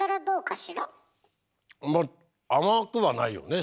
まあ甘くはないよね